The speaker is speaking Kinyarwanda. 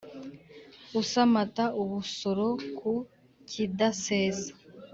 Usamata ubusoro ku kidasesa